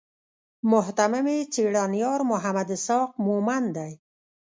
مهتمم یې څېړنیار محمد اسحاق مومند دی.